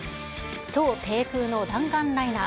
超低空の弾丸ライナー。